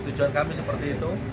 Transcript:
tujuan kami seperti itu